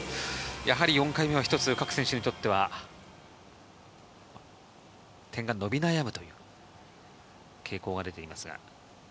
４回目は一つ、各選手にとっては、点が伸び悩むという傾向が出ています。